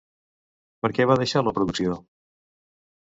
Per què va deixar la producció?